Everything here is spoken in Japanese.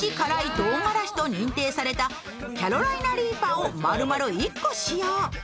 唐がらしと認定されたキャロライナリーパを丸々１個使用。